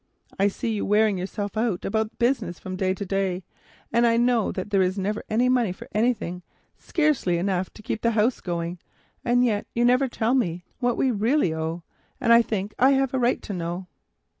I see you wearing yourself out about business from day to day, and I know that there is never any money for anything, scarcely enough to keep the house going; and yet you will not tell me what we really owe—and I think I have a right to know."